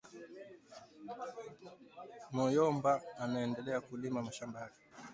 Muyomba anaenda kulima mashamba yake